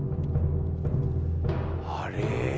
あれ？